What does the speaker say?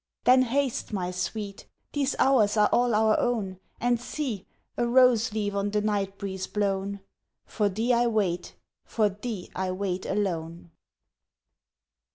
Then haste, my Sweet! These hours are all our own, And see! A rose leaf on the night breeze blown! For thee I wait for thee I wait alone!